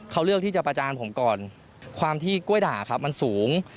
เขาเลือกที่จะประจานผมก่อนความที่กล้วยด่าครับมันสูง